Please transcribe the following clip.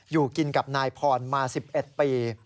อยู่กินกับนายพรมา๑๑ปี